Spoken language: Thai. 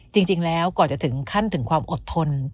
จริงแล้วก่อนจะถึงขั้นถึงความอดทน